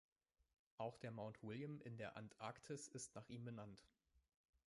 Auch der Mount William in der Antarktis ist nach ihm benannt.